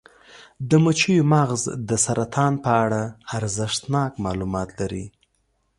د مچیو مغز د سرطان په اړه ارزښتناک معلومات لري.